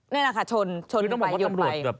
นั่นนะคะชนไปหยุดไป